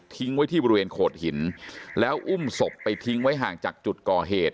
ไว้ที่บริเวณโขดหินแล้วอุ้มศพไปทิ้งไว้ห่างจากจุดก่อเหตุ